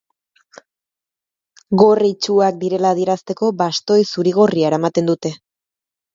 Gor-itsuak direla adierazteko bastoi zuri-gorria eramaten dute.